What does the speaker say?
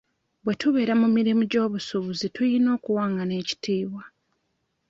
Bwe tubeera mu mirimu gy'obusuubuzi tuyina okuwangana ekitiibwa.